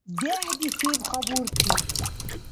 ДехӀдихьиб хабурти.